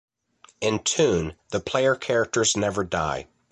In "Toon" the player characters never die.